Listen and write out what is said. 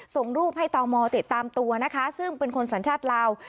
ส่งรูปให้ตมติดตามตัวนะคะซึ่งเป็นคนสัญชาติลาว